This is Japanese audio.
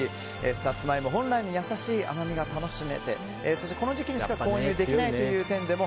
サツマイモ本来の優しい甘みが楽しめてこの時期にしか購入できないという点でも